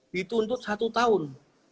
dituntut satu tahun